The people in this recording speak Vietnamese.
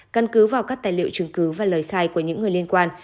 căn cứ vào các tài liệu chứng cứ và lời khai của những người liên quan